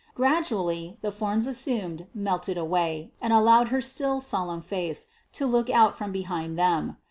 Gradually the forms assumed melted away, and allowed her still, solemn face to look out from behind them.